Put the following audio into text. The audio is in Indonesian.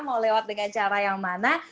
mau lewat dengan cara yang mana